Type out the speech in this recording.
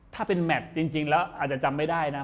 ถ้าเป็นแมทจริงแล้วอาจจะจำไม่ได้นะ